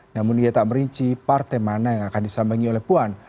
namun ia tak merinci partai mana yang akan disambangi oleh puan